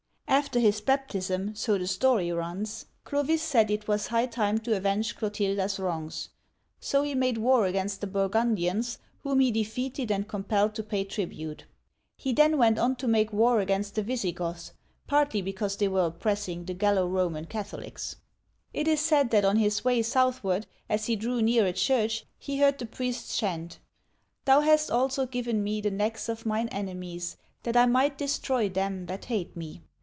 After his baptism, so the story runs, Clovis said it was high time to avenge Clotilda's wrongs ; so he made war against the Burgundians, whom he defeated and compelled to pay tribute. He then went on to make war against the Visi goths, partly because they were oppressing the Gallo Roman Catholics. It is said that on his way southward, as he drew near a church, he heard the priests chant, Thou hast also given me the necks of mine enemies ; that I might destroy them that hate me."